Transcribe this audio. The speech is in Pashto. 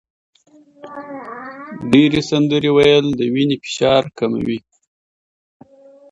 ډېر سندرې ویل د وینې فشار کموي.